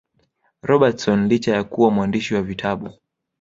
Robertson licha ya kuwa mwandishi wa vitabu